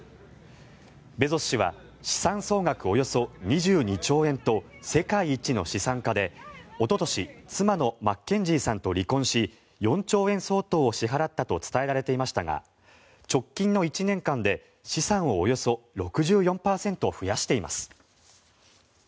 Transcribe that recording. ベゾス氏は資産総額およそ２２兆円と世界一の資産家で、おととし妻のマッケンジーさんと離婚し４兆円相当を支払ったと伝えられていましたが直近の１年間で、資産をおよそ６４％増やしています。